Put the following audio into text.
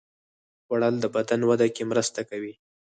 خوړل د بدن وده کې مرسته کوي